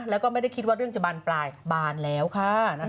แล้วก็ไม่ได้คิดว่าเรื่องจะบานปลายบานแล้วค่ะ